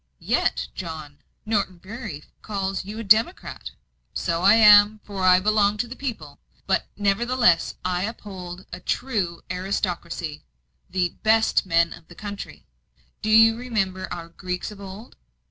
"Yet, John, Norton Bury calls you a democrat." "So I am, for I belong to the people. But I nevertheless uphold a true aristocracy the BEST MEN of the country, do you remember our Greeks of old?